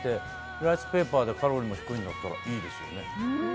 ライスペーパーでカロリーも低いならいいですよね。